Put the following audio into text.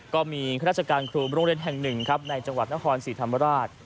ก็มีข้าราชการครูโรงเรียนแห่งหนึ่งครับในจังหวัดนครศรีธรรมราช